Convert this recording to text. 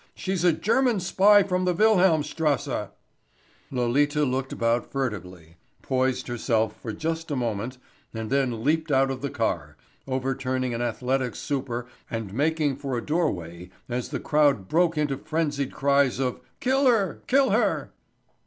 "She's a German spy from the Wilhelm strasse." Lolita looked about furtively, poised herself for just a moment and then leaped out of the car, overturning an athletic super and making for a doorway as the crowd broke into frenzied cries of "kill her, kill her."